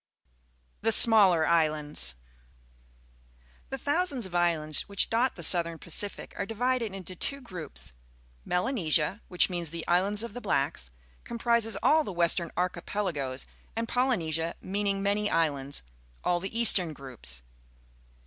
THE SMALLER ISLANDS '^T ^^ The thousands of islands which dot the Southern Pacific are divided into two groups. Melanesia, which means the "islands of the blacks," comprises all the western archi pelagos, and Polynesia, meaning "many islands," all the eastern groups.